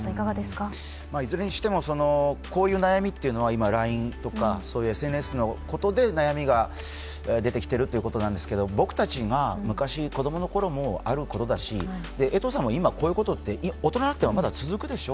いずれにしてもこういう悩みっていうのは、今、ＬＩＮＥとかＳＮＳのことで悩みが出てきているということなんですけど、僕たちが昔、子供の頃もあることだし、江藤さんも今、大人になってもまだ続くでしょ。